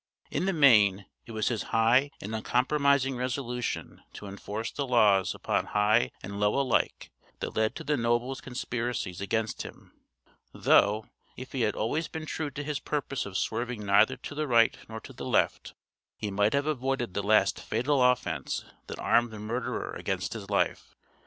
In the main, it was his high and uncompromising resolution to enforce the laws upon high and low alike that led to the nobles' conspiracies against him; though, if he had always been true to his purpose of swerving neither to the right nor to the left, he might have avoided the last fatal offense that armed the murderer against his life.